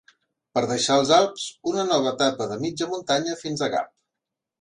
Per deixar els Alps una nova etapa de mitja muntanya fins a Gap.